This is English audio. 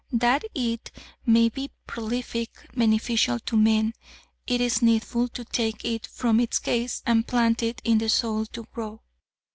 That it may be prolific, beneficial to men, it is needful to take it from its case and plant it in the soil to grow.